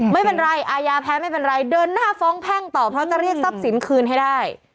ไม่เป็นไรอายาแพ้ไม่เป็นไรเดินหน้าฟ้องแพ่งต่อเพราะจะเรียกทรัพย์สินคืนให้ได้